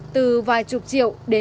từ vài chục triệu